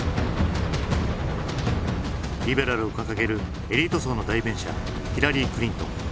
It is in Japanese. リベラルを掲げるエリート層の代弁者ヒラリー・クリントン。